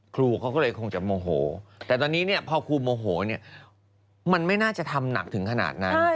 ครูเขาก็เลยคงจะโมโหแต่ตอนนี้เนี่ยพอครูโมโหเนี่ยมันไม่น่าจะทำหนักถึงขนาดนั้น